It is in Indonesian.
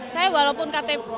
saya walaupun ktp